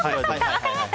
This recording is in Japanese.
分かりました！